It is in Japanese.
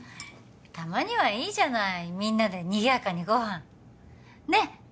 たまにはいいじゃないみんなでにぎやかにご飯ねっ？